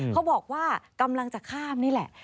เขาบอกว่ากำลังจะข้ามนี่แหละ